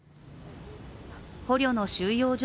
捕虜の収容所